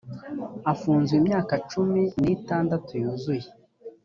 afunzwe imyaka cumi n’itandatu yuzuye